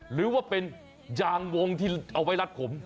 หรือว่าเป็นยางวงที่เอาไว้รัดผม